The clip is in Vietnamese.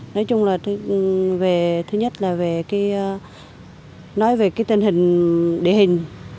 nói chung là thứ nhất là nói về cái tình hình địa hình